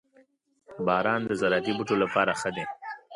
• باران د زراعتي بوټو لپاره ښه دی.